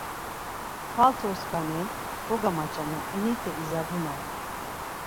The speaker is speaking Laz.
Paltoskani kogamaçana inite izabunare.